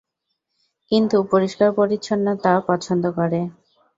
কিন্তু পরিস্কার পরিচ্ছনতা পছন্দ করে।